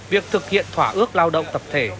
việc thực hiện thỏa ước lao động tập thể